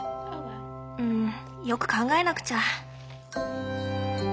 うんよく考えなくちゃ。